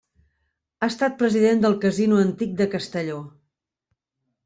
Ha estat president del Casino Antic de Castelló.